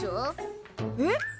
えっ！